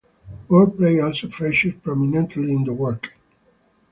Word play also features prominently in the work.